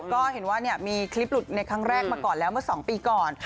ก็เห็นว่ามีคลิปหลุดในครั้งแรกมาก่อนแล้วเมื่อ๒ปีก่อน